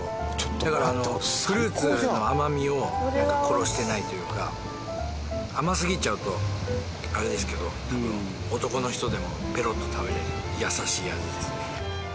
だからフルーツの甘みを殺してないというか甘すぎちゃうとあれですけどたぶん男の人でもペロッと食べられる優しい味ですね。